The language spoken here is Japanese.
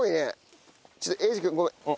ちょっと英二君ごめん。